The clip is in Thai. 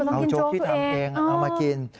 เอาโชคที่ทำเองเอามากิน